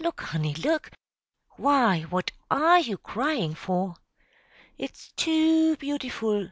Look, honey, look! Why, what are you crying for?" "It's too beautiful!"